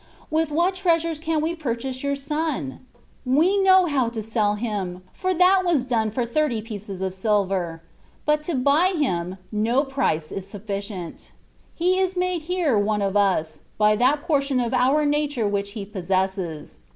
With what treasures can we purchase your Son ! We know how to sell Him, for that was done for thirty pieces of silver ; but to buy Him, no price is suffi cient. He is made here one of us, by that portion of our nature which He possesses.